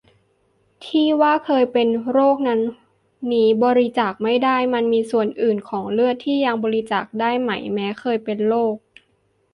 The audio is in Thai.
ที่ว่าเคยเป็นโรคนั้นนี้บริจาคไม่ได้ มันมีส่วนอื่นของเลือดที่ยังบริจาคได้ไหม แม้เคยเป็นโรค